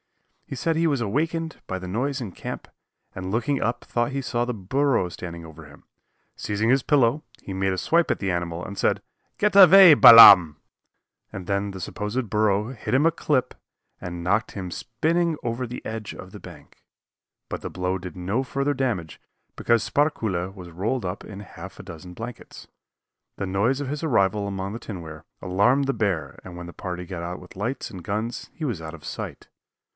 He said he was awakened by the noise in camp, and looking up thought he saw the burro standing over him. Seizing his pillow he made a swipe at the animal, and said, "Get away, Balaam!" and then the supposed burro hit him a clip and knocked him spinning over the edge of the bank, but the blow did no further damage because Sparkuhle was rolled up in half a dozen blankets. The noise of his arrival among the tinware alarmed the bear and when the party got out with lights and guns he was out of sight.